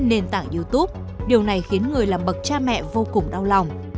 điều này khiến người làm bậc cha mẹ vô cùng đau lòng